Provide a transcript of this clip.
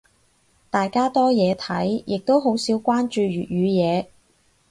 大家多嘢睇，亦都好少關注粵語嘢。